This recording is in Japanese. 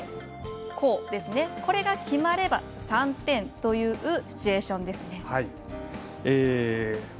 これが決まれば３点というシチュエーションです。